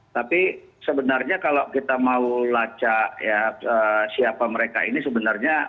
tapi sebenarnya kalau kita mau laca ya siapa mereka ini sebenarnya